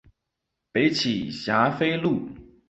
北起霞飞路。